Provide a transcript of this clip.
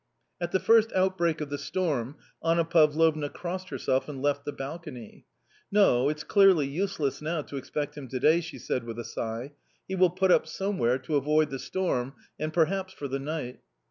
At the first outbreak of the storm Anna Pavlovna crossed herself and left the balcony. " No, it's clearly useless now to expect him to day," she said with a sigh, " he will put up somewhere to avoid the storm, and perhaps for the night."